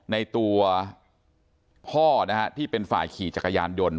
ในตัวพ่อนะฮะที่เป็นฝ่ายขี่จักรยานยนต์